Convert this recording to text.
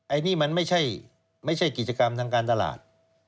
อันนี้มันไม่ใช่กิจกรรมทางการตลาด